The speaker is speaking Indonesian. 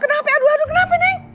kenapa aduh aduh kenapa neng